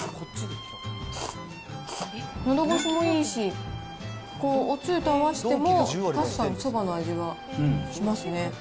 のど越しもいいし、こう、おつゆと合わせても、確かにそばの味がしますね。